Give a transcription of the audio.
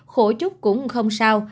khổ chút cũng không sao